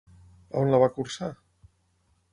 A on la va cursar?